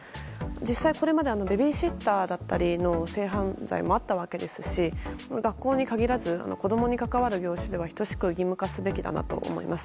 実際、これまでベビーシッターの性犯罪もあったわけですし学校に限らず子供に関わる業種では等しく義務化すべきだと思います。